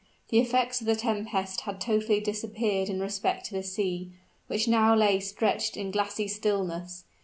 The effects of the tempest had totally disappeared in respect to the sea, which now lay stretched in glassy stillness.